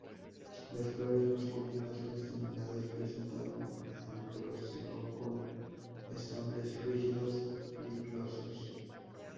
Las flores masculinas o estaminadas presentan un androceo con estambres rígidos, pilosos.